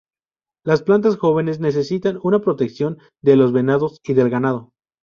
Las plantas jóvenes necesitan una protección de los venados y del ganado.